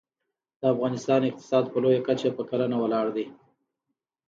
د افغانستان اقتصاد په لویه کچه په کرنه ولاړ دی